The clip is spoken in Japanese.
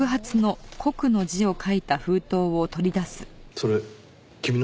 それ君の？